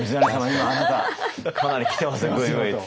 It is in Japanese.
今あなたかなりキてますよグイグイ。